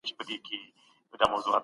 زه د خپلي مور سره مرسته کوم.